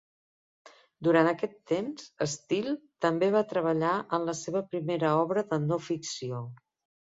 Durant aquest temps, Steel també va treballar en la seva primera obra de no-ficció.